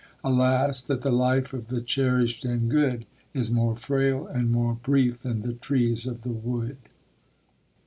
Alas! that the life of the cherished and good Is more frail and more brief than the trees of the wood!